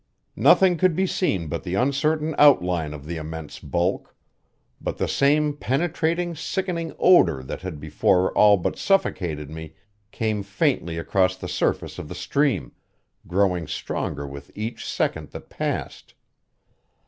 Nothing could be seen but the uncertain outline of the immense bulk; but the same penetrating, sickening odor that had before all but suffocated me came faintly across the surface of the stream, growing stronger with each second that passed.